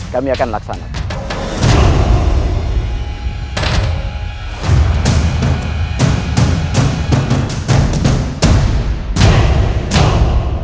kami akan laksanakan